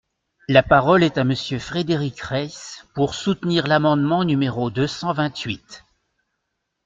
La parole est à Monsieur Frédéric Reiss, pour soutenir l’amendement numéro deux cent vingt-huit.